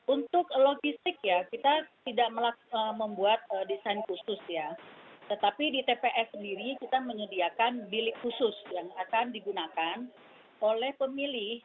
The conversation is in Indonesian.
untuk logistik ya kita tidak membuat desain khusus ya tetapi di tps sendiri kita menyediakan bilik khusus yang akan digunakan oleh pemilih